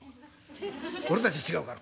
俺たち違うから。